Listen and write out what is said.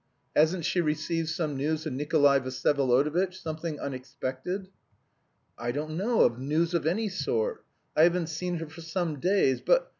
Hasn't she received some news of Nikolay Vsyevolodovitch, something unexpected?" "I don't know... of news of any sort... I haven't seen her for some days, but...